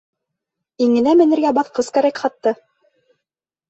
Иңенә менергә баҫҡыс кәрәк хатта.